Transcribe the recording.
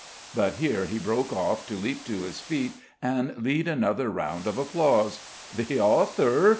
but here he broke off to leap to his feet and lead another round of applause. "The author?"